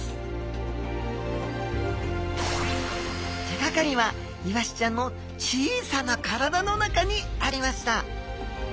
手がかりはイワシちゃんの小さな体の中にありました